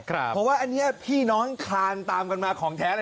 เพราะว่าอันนี้พี่น้องคลานตามกันมาของแท้อะไร